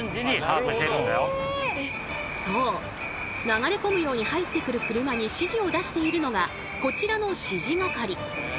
流れ込むように入ってくる車に指示を出しているのがこちらの指示係。